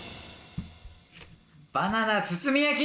バナナ包み焼き。